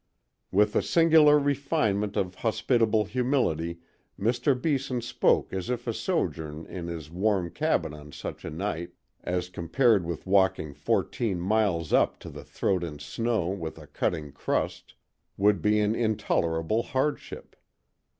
With a singular refinement of hospitable humility Mr. Beeson spoke as if a sojourn in his warm cabin on such a night, as compared with walking fourteen miles up to the throat in snow with a cutting crust, would be an intolerable hardship.